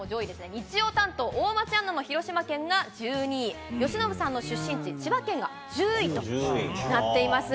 日曜担当、大町アナの広島県が１２位、由伸さんの出身地、千葉県が１０位となっています。